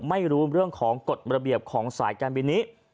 ไม่รู้เรื่องของกฎระเบียบของสายการบินนี้